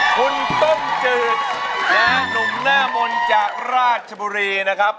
คุณต้มจืดและหนุ่มหน้ามนต์จากราชบุรีนะครับ